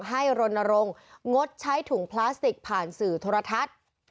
รณรงค์งดใช้ถุงพลาสติกผ่านสื่อโทรทัศน์